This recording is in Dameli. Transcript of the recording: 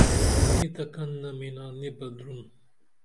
نی تہ کن نمینا نی بہ دُرن